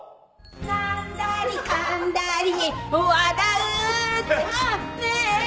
「なんだりかんだり笑うっちゃね」